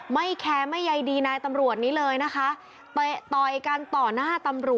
ไม่แค้ม